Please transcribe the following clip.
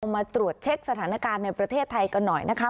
มาตรวจเช็คสถานการณ์ในประเทศไทยกันหน่อยนะคะ